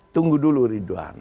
tunggu dulu ridwan